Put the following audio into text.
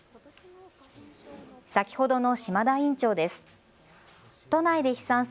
先ほどの島田院長です。